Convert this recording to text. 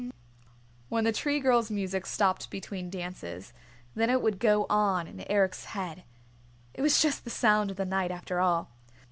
When the Tree Girl's music stopped between dances, then it would go on in Eric's head. It was just the sound of the night after all.